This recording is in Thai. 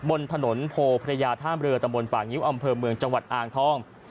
บนถนนโพพระยาท่ามเรือตำบลป่างิ้วอำเภอเมืองจังหวัดอ่างทอง